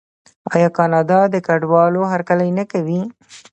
آیا کاناډا د کډوالو هرکلی نه کوي؟